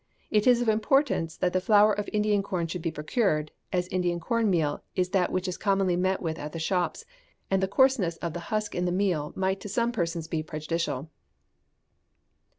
It is of importance that the flour of Indian corn should be procured, as Indian corn meal is that which is commonly met with at the shops, and the coarseness of the husk in the meal might to some persons be prejudicial.